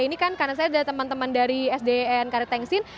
ini kan kanan saya ada teman teman dari sdn karet tengsin